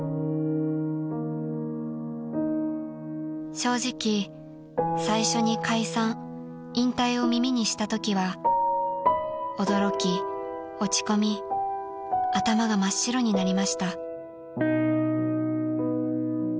［「正直最初に解散引退を耳にしたときは驚き落ち込み頭が真っ白になりました」］